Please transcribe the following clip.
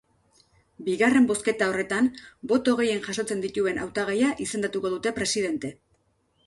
Bigarren bozketa horretan, boto gehien jasotzen dituen hautagaia izendatuko dute presidente.